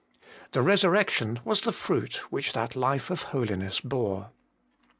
The resur rection was the fruit which that Life of Holiness bore.